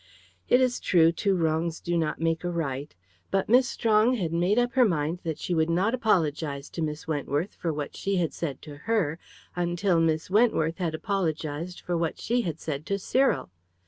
It is true two wrongs do not make a right; but Miss Strong had made up her mind that she would not apologise to Miss Wentworth for what she had said to her, until Miss Wentworth had apologised for what she had said to Cyril.